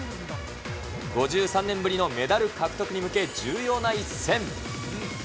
５３年ぶりのメダル獲得に向け、重要な一戦。